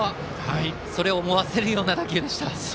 それを思わせるような打球でした。